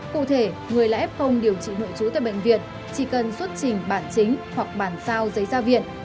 cụ thể người là f điều trị nội trú tại bệnh viện chỉ cần xuất trình bản chính hoặc bản sao giấy ra viện